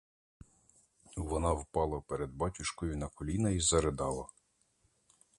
Вона впала перед батюшкою на коліна й заридала.